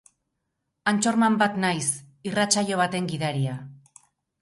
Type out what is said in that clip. Anchorman bat naiz, irratsaio baten gidaria.